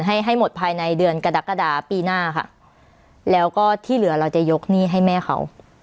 ให้ให้หมดภายในเดือนกรกฎาปีหน้าค่ะแล้วก็ที่เหลือเราจะยกหนี้ให้แม่เขา